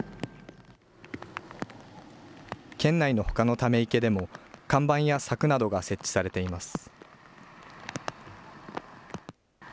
県内のほかのため池でも看板や柵などが設置されています。